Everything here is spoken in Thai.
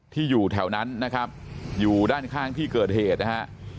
อยู่แถวนั้นนะครับอยู่ด้านข้างที่เกิดเหตุนะฮะ